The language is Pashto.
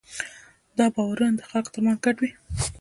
دا باورونه د خلکو ترمنځ ګډ وي.